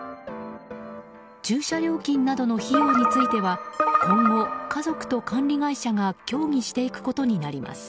駐車料金などの費用については今後、家族と管理会社が協議していくことになります。